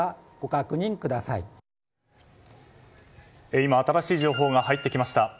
今、新しい情報が入ってきました。